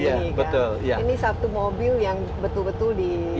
iya betul ini satu mobil